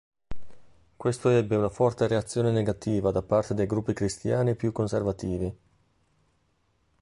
Questo ebbe una forte reazione negativa da parte dei gruppi Cristiani più conservativi.